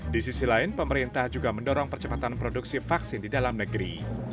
di sisi lain pemerintah juga mendorong percepatan produksi vaksin di dalam negeri